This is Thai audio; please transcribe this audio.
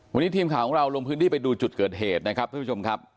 วันนี้ทีมข่าวของเราลงพื้นที่ไปดูจุดเกิดเหตุนะครับท่านผู้ชมครับ